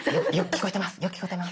聞こえてます？